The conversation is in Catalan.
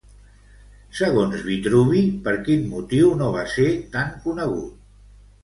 Segons Vitruvi per quin motiu no va ser tan conegut?